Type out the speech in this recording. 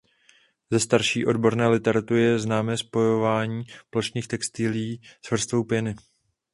Ze starší odborné literatury je známé spojování plošných textilií s vrstvou pěny.